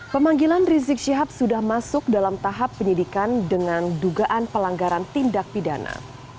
pemanggilan rizik syihab sudah masuk dalam tahap penyidikan dengan dugaan pelanggaran tindak pidana